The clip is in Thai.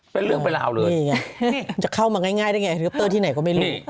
เป็นเรื่องเป็นราวเลยนี่ไงจะเข้ามาง่ายได้ไงทริปเตอร์ที่ไหนก็ไม่รู้